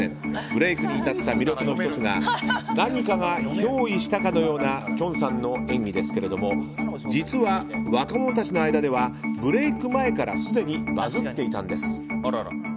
ブレークに至った魅力の１つが何かが憑依したかのようなきょんさんの演技ですが実は、若者たちの間ではブレーク前からすでにバズっていたんです。